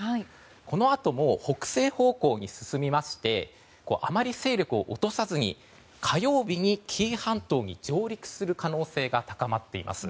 このあとも北西方向に進みましてあまり勢力を落とさずに火曜日に紀伊半島に上陸する可能性が高まっています。